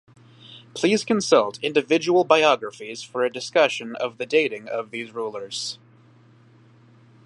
Please consult individual biographies for a discussion of the dating of these rulers.